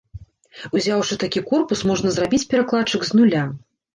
Узяўшы такі корпус, можна зрабіць перакладчык з нуля.